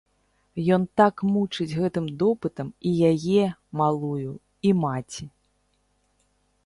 Ён так мучыць гэтым допытам і яе, малую, і маці.